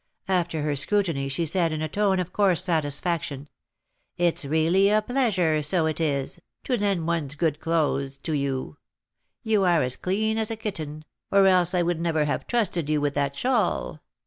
After her scrutiny, she said, in a tone of coarse satisfaction, "It's really a pleasure so it is to lend one's good clothes to you; you are as clean as a kitten, or else I would never have trusted you with that shawl.